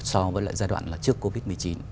so với lại giai đoạn là trước covid một mươi chín